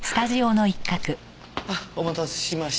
あっお待たせしました。